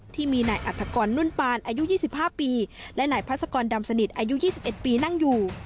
ที่มีไหนอัตฑกรนุ่นปานอายุยี่สิบห้าปีและไหนพรรษกรดำสนิทอายุยี่สิบเอ็ดปีนั่งอยู่